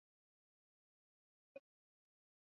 Muda ume kwisha